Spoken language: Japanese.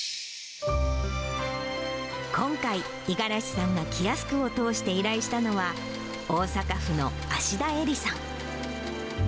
今回、五十嵐さんがキヤスクを通して依頼したのは、大阪府の芦田絵里さん。